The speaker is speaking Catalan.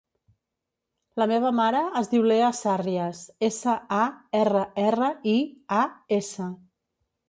La meva mare es diu Leah Sarrias: essa, a, erra, erra, i, a, essa.